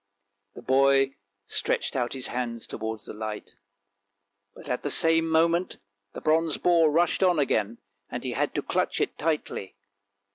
The boy stretched out his hands towards the light, but at the same moment the bronze boar rushed on again, and he had to clutch it tightly.